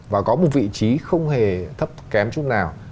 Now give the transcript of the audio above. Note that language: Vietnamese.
và có một vị trí không hề thấp kém chút nào